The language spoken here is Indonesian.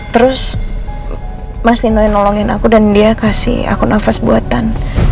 terus mas tino yang nolongin aku dan dia kasih aku nafas buatan